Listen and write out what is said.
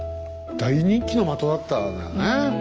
大人気の的だったんだね。